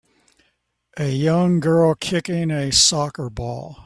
A young girl kicking a soccer ball